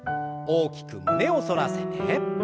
大きく胸を反らせて。